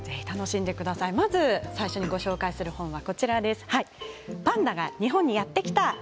まず最初の本は「パンダが日本にやってきた」